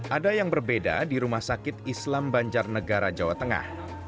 ada yang berbeda di rumah sakit islam banjarnegara jawa tengah